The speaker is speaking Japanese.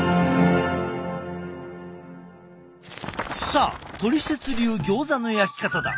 さあトリセツ流ギョーザの焼き方だ。